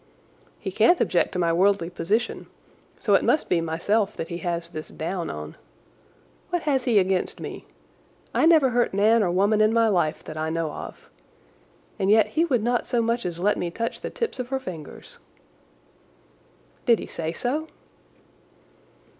"He can't object to my worldly position, so it must be myself that he has this down on. What has he against me? I never hurt man or woman in my life that I know of. And yet he would not so much as let me touch the tips of her fingers." "Did he say so?"